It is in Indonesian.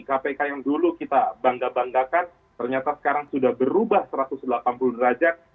kpk yang dulu kita bangga banggakan ternyata sekarang sudah berubah satu ratus delapan puluh derajat